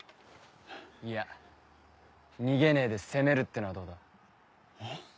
いや逃げねえで攻めるってのはどうだ？え？